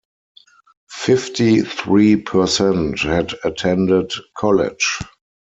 Fifty-three percent had attended college.